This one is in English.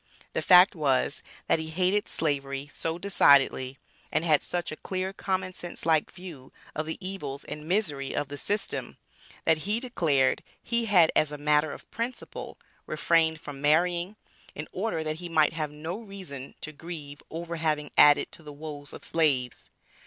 The fact was, that he hated Slavery so decidedly and had such a clear common sense like view of the evils and misery of the system, that he declared he had as a matter of principle refrained from marrying, in order that he might have no reason to grieve over having added to the woes of slaves.